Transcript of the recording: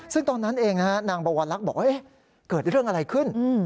ซึ่งตอนนั้นเองนางบวรลักษณ์บอกว่าเกิดเรื่องอะไรขึ้น